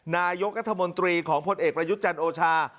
นายกรัฐมนตรีของพลเอกประยุทธ์จันทร์โอชา